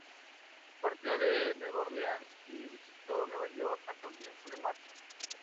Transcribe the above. Partió de Nueva Orleans y visitó Nueva York a comienzos de marzo.